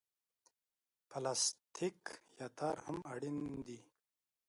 پلاستیک یا تار هم اړین دي.